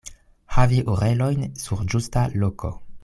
Havi orelojn sur ĝusta loko.